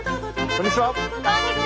こんにちは！